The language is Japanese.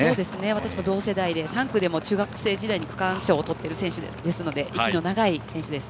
私も同世代で３区でも中学生時代に区間賞をとっている選手なので息の長い選手です。